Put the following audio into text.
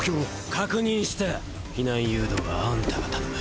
確認した避難誘導はあんたが頼む。